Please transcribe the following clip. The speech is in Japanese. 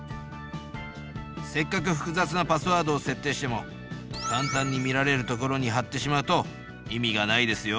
せっかく複雑なパスワードを設定しても簡単に見られるところに貼ってしまうと意味がないですよ。